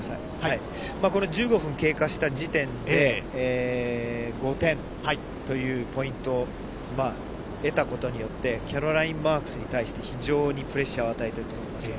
この１５分経過した時点で、５点というポイント得たことによって、キャロライン・マークスに対して、非常にプレッシャーを与えていると思いますよ。